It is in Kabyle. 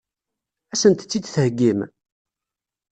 Ad sent-tt-id-theggim?